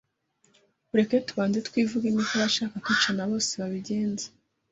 ureke tubanze twivuge ni ko abashaka kwicana bose babigenza